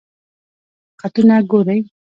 خطونه ګوری؟